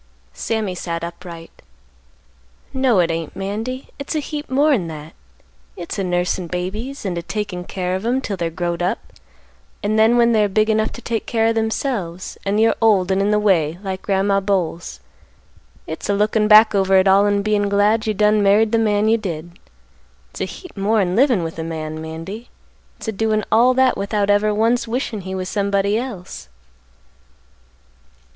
Sammy sat upright. "No, it ain't, Mandy; it's a heap more'n that; it's a nursin' babies, and a takin' care of 'em 'till they're growed up, and then when they're big enough to take care o' themselves, and you're old and in the way, like Grandma Bowles, it's a lookin' back over it all, and bein' glad you done married the man you did. It's a heap more'n livin' with a man, Mandy; it's a doin' all that, without ever once wishin' he was somebody else."